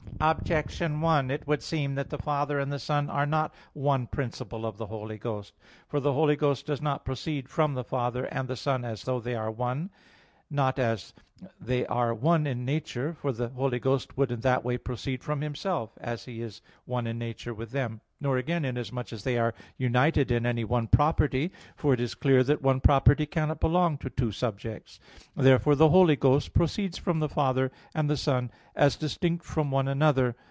Objection 1: It would seem that the Father and the Son are not one principle of the Holy Ghost. For the Holy Ghost does not proceed from the Father and the Son as they are one; not as they are one in nature, for the Holy Ghost would in that way proceed from Himself, as He is one in nature with Them; nor again inasmuch as they are united in any one property, for it is clear that one property cannot belong to two subjects. Therefore the Holy Ghost proceeds from the Father and the Son as distinct from one another.